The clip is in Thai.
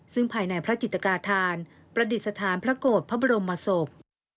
ซึ่งภายในพระจิตกาธานประดิษฐานพระโกรธพระบรมศพ